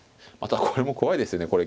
またこれも怖いですよね。